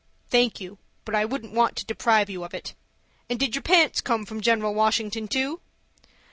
"Thank you, but I wouldn't want to deprive you of it. And did your pants come from General Washington too?"